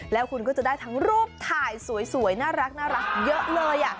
แล้วคุณก็จะได้ทั้งรูปถ่ายสวยน่ารักเยอะเลย